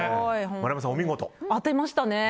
当てましたね。